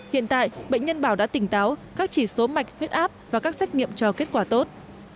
hiện tại bệnh nhân bảo đã tỉnh táo các chỉ số mạch huyết áp và các xét nghiệm cho kết quả tốt